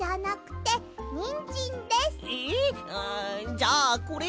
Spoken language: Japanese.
じゃあこれに。